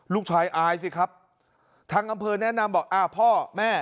ลูกชายอายสิครับทางอำเภอแนะนำบอกอ้าวพ่อแม่